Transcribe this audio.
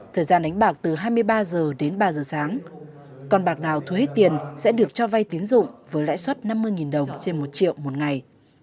thời gian đánh bạc từ hai mươi ba h đến ba h sáng còn bạc nào thuê hết tiền sẽ được cho vay tiến dụng với lãi suất năm mươi đồng trên một triệu một ngày